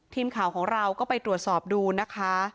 ทีมข่าวของเราก็ไปตรวจสอบดูนะคะ